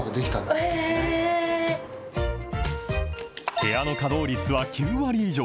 部屋の稼働率は９割以上。